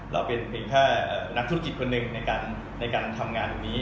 เราเป็นเพียงแค่นักธุรกิจคนหนึ่งในการทำงานตรงนี้